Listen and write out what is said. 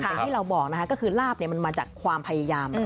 อย่างที่เราบอกนะคะก็คือลาบมันมาจากความพยายาม